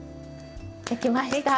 できました！